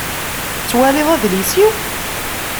Tettwaliḍ adlis-iw?